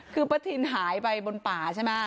คือประถิ่นหายไปบนป่าใช่มั้ย